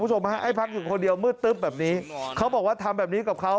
คุณผู้ชมฮะให้พักอยู่คนเดียวมืดตึ๊บแบบนี้เขาบอกว่าทำแบบนี้กับเขา